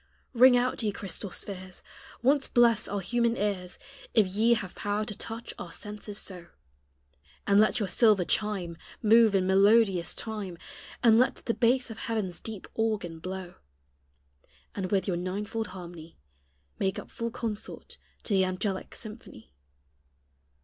Ring out, ye crystal spheres! Once bless our human ears, If ye have power to touch our senses so; And let your silver chime Move in melodious time, And let the bass of heaven's deep organ blow; And with your ninefold harmony Make up full consort to the angelic symphony.